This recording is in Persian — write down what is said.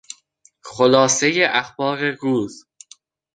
خلاصهی اخبار روز